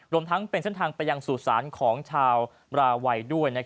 รวมทั้งเป็นเส้นทางไปยังสู่สารของชาวราวัยด้วย